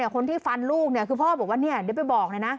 คนที่ฟันลูกคือพ่อบอกว่าเนี่ยเดี๋ยวไปบอกเลยนะ